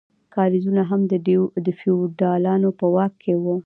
کاریزونه هم د فیوډالانو په واک کې وو.